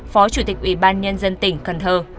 phó chủ tịch ubnd tỉnh cần thơ